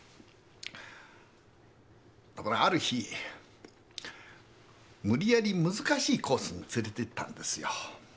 ところがある日無理やり難しいコースに連れてったんですよ。